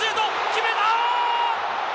決めた！